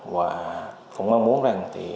và cũng mong muốn rằng